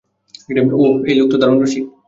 ওহ, এই লোক তো দারুণ রসিক।